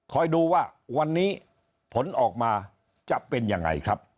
ดูว่าวันนี้ผลออกมาจะเป็นยังไงครับ